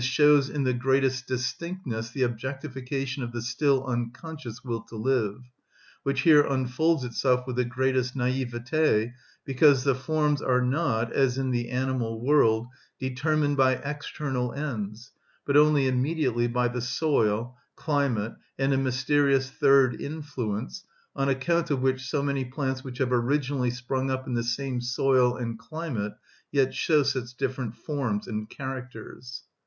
_, shows in the greatest distinctness the objectification of the still unconscious will to live, which here unfolds itself with the greatest naïveté, because the forms are not, as in the animal world, determined by external ends, but only immediately by the soil, climate, and a mysterious third influence on account of which so many plants which have originally sprung up in the same soil and climate yet show such different forms and characters.